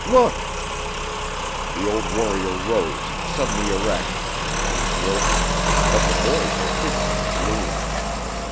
"Look!" The old warrior rose, suddenly erect, and turned toward them, but the boys were hidden in the gloom.